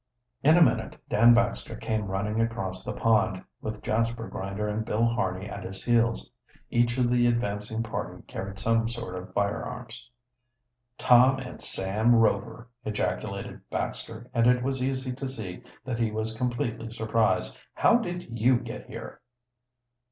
In a minute Dan Baxter came running across the pond, with Jasper Grinder and Bill Harney at his heels. Each of the advancing party carried some sort of firearms. "Tom and Sam Rover!" ejaculated Baxter, and it was easy to see that he was completely surprised. "How did you get here?"